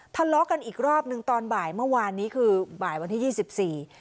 ทะเลาะกันอีกรอบหนึ่งตอนบ่ายเมื่อวานนี้คือบ่ายวันที่ยี่สิบสี่